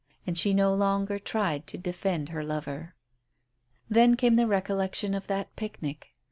And she no longer tried to defend her lover. Then came the recollection of that picnic.